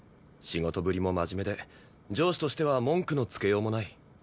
仕事ぶりも真面目で上司としては文句のつけようもない。